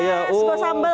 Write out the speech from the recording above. yes gua sambel